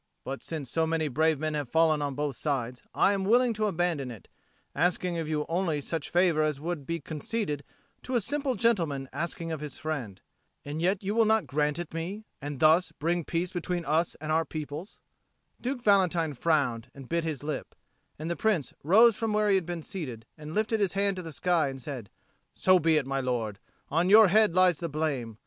But, since so many brave men have fallen on both sides, I am willing to abandon it, asking of you only such favour as would be conceded to a simple gentleman asking of his friend. And yet you will not grant it me, and thus bring peace between us and our peoples." Duke Valentine frowned and bit his lip; and the Prince rose from where he had been seated, and lifted his hand to the sky, and said, "So be it, my lord; on your head lies the blame.